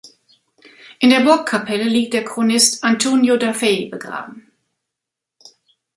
In der Burgkapelle liegt der Chronist Antonio da Faye begraben.